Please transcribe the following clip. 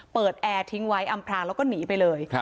แอร์ทิ้งไว้อำพลางแล้วก็หนีไปเลย